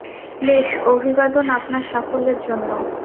বেশ, অভিবাদন, আপনার সাফল্যের জন্য।